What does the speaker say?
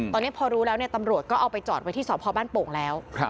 ตอนนี้พอรู้แล้วเนี่ยตำรวจก็เอาไปจอดไว้ที่สพบ้านโป่งแล้ว